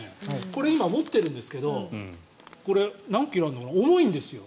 これ今、持ってるんですけどこれ、何キロあるのかな重いんですよ。